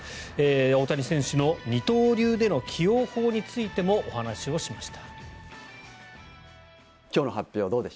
大谷選手の二刀流での起用法についてもお話をしました。